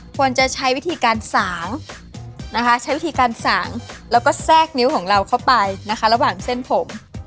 ควรจะใช้วิธีการสางนะคะใช้วิธีการสางแล้วก็แทรกนิ้วของเราเข้าไปนะคะระหว่างเส้นผม